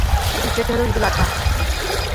দ্বিতীয়টি হলো ঈদুল আযহা।